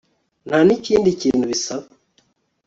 nta nikindi kintu bisaba